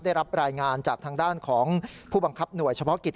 ได้รับรายงานจากทางด้านของผู้บังคับหน่วยเฉพาะกิจ